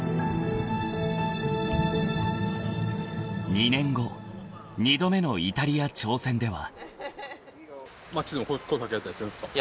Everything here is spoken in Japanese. ［２年後２度目のイタリア挑戦では］